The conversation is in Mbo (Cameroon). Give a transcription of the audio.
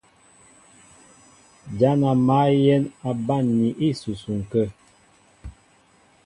Ján a mǎl yɛ̌n a banmni ísusuŋ kə̂.